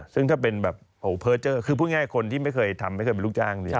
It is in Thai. ซึ่งถ้าเป็นแบบเพอร์เจอร์คือพูดง่ายคนที่ไม่เคยทำไม่เคยเป็นลูกจ้างเนี่ย